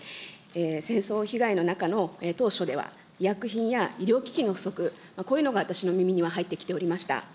戦争被害の中の当初では、医薬品や医療機器の不足、こういうのが私の耳には入ってきておりました。